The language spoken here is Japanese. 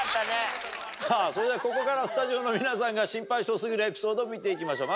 さぁそれではここからスタジオの皆さんが心配性すぎるエピソードを見ていきましょう